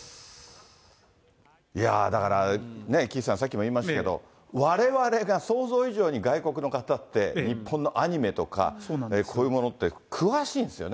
だから、岸さん、さっきも言いましたけど、われわれが想像以上に外国の方って、日本のアニメとか、こういうものって詳しいんですよね。